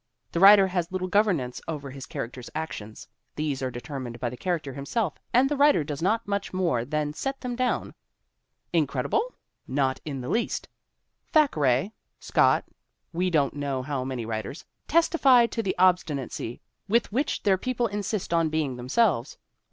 The writer has little governance over his character's actions; these are determined by the character himself and the writer does not much more than set them down. Incredible ? MARJORIE BENTON COOKE 239 Not in the least. Thackeray, Scott we don't know how many writers testify to the obstinacy with which their people insist on being themselves.